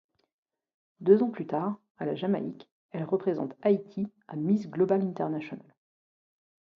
Deux ans plus tard, à la Jamaïque, elle représente Haïti à Miss Global International.